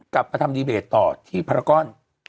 กลับมาทำดีเบตต่อที่พารากร